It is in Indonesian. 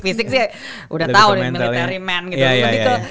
fisik sih udah tau deh military man gitu